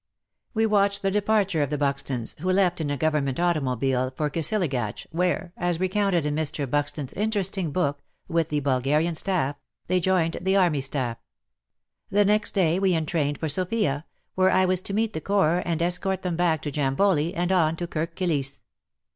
We watched the departure of the Buxtons, who left in a Government automobile for Kisilagatch, where — as recounted in Mr. Buxton's interesting book With the Bulgarian Staff'— xh^Y joined the Army Staff The next day we entrained for Sofia, where I was to meet the Corps and escort them back to Jamboli and on to Kirk Kilisse.